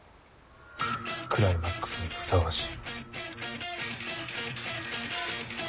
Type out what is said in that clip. クライマックスにふさわしい。